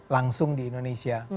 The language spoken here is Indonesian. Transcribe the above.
langsung di indonesia